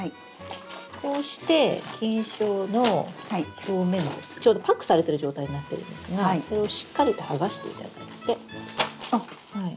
こうして菌床の表面をちょうどパックされてる状態になってるんですがそれをしっかりと剥がしていただいて。